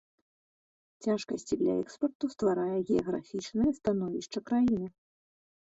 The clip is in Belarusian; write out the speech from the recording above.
Цяжкасці для экспарту стварае геаграфічнае становішча краіны.